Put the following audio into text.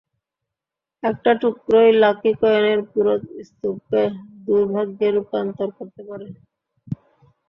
একটা টুকরোই লাকি কয়েনের পুরো স্তূপকে দুর্ভাগ্যে রূপান্তর করতে পারে।